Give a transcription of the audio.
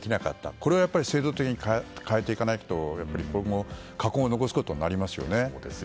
これはやっぱり制度的に変えていかないと今後、禍根を残すことになりますよね。